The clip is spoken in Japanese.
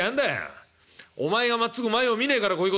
お前がまっつぐ前を見ねえからこういうことになるんだよ。